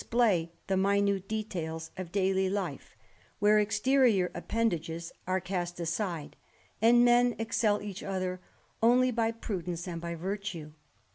play the minute details of daily life, where exterior "1 82 THE RAMBLER. appendages are cast aside, and men excel each other only by prudence and by virtue.